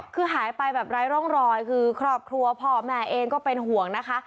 คือหายไปแบบไร้ร่องรอยคือครอบครัวพ่อแม่เองก็เป็นห่วงนะคะ